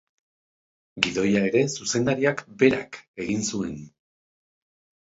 Gidoia ere, zuzendariak berak egin zuen.